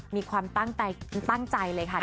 มีความตั้งใจเลยค่ะ